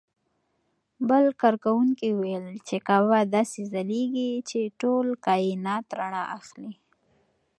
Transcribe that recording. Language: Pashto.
بل کاروونکي وویل چې کعبه داسې ځلېږي چې ټول کاینات رڼا اخلي.